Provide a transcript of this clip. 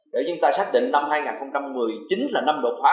để chúng ta xác định năm hai nghìn một mươi chín là năm đột phá